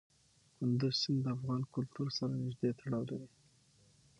کندز سیند د افغان کلتور سره نږدې تړاو لري.